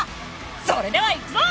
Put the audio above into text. それではいくぞ！